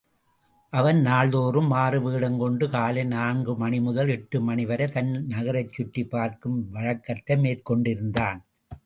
அவன் நாள்தோறும் மாறுவேடம் கொண்டு காலை நான்கு மணிமுதல் எட்டு மணிவரை தன் நகரைச் சுற்றிப்பார்க்கும் வழக்கத்தை மேற்கொண்டிருந்தான்.